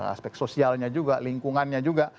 aspek sosialnya juga lingkungannya juga